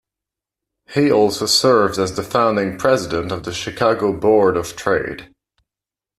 He also served as the founding president of the Chicago Board of Trade.